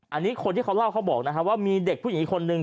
อันนี้คนที่เขาเล่าเขาบอกนะครับว่ามีเด็กผู้หญิงอีกคนนึง